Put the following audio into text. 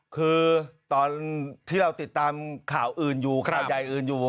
คือตอนที่เราติดตามข่าวอื่นอยู่ข่าวใหญ่อื่นอยู่